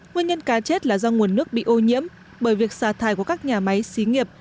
nguyên nhân cá chết là do nguồn nước bị ô nhiễm bởi việc xả thải của các nhà máy xí nghiệp